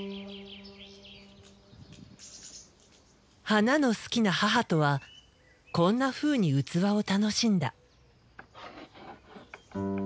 花の好きな母とはこんなふうに器を楽しんだ。